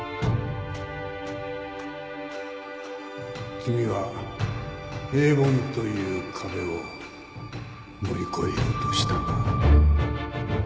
君は平凡という壁を乗り越えようとしたか？